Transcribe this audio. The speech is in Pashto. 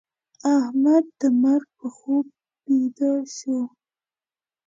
احمد د مرګ په خوب بيده شو.